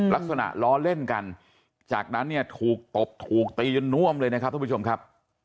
ลักษณะล้อเล่นกันจากนั้นเนี่ยถูกตบถูกตีจนน่วมเลยนะครับทุกผู้ชมครับ